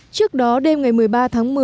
trước đó đêm ngày một mươi ba tháng một mươi